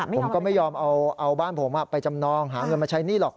ผมก็ไม่ยอมเอาบ้านผมไปจำนองหาเงินมาใช้หนี้หรอก